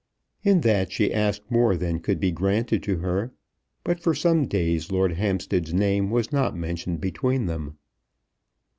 In that she asked more than could be granted to her; but for some days Lord Hampstead's name was not mentioned between them.